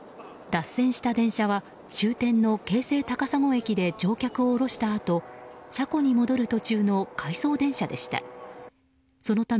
脱線した電車は終点の京成高砂駅で乗客を降ろしたあと車庫に戻る途中の回送電車でした。